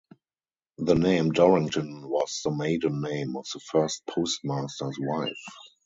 The name Dorrington was the maiden name of the first postmaster's wife.